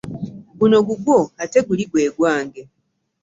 Guno gugwo ate guli gwegwange.